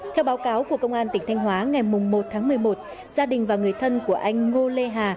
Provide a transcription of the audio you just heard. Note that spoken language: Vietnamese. theo báo cáo của công an tỉnh thanh hóa ngày một tháng một mươi một gia đình và người thân của anh ngô lê hà